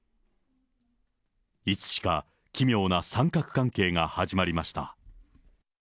いつしか、奇妙な三角関係が始まりました。